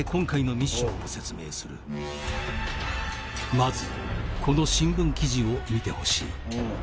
「まずこの新聞記事を見てほしい」